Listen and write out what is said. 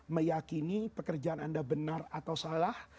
meyakini pekerjaan anda benar atau salah